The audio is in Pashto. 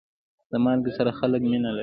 د مالګې سره خلک مینه لري.